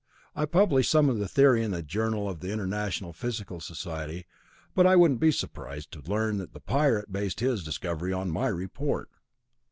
I published some of the theory in the Journal of the International Physical Society and I wouldn't be surprised to learn that the pirate based his discovery on my report.